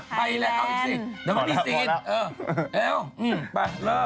ไปแล้วเอาอีกสิทธิ์แล้วมันไม่มีสิทธิ์เออเร็วไปเริ่ม